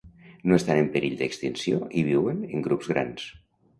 No estan en perill d'extinció i viuen en grups grans.